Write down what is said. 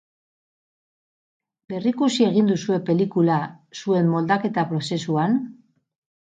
Berrikusi egin duzue pelikula, zuen moldaketa prozesuan?